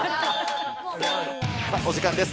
さあ、お時間です。